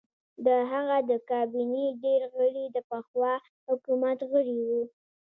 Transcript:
د هغه د کابینې ډېر غړي د پخوا حکومت غړي وو.